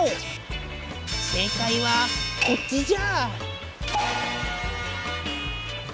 正解はこっちじゃ！